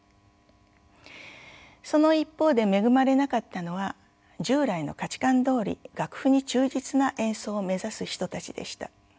その一方で恵まれなかったのは従来の価値観どおり楽譜に忠実な演奏を目指す人たちでした。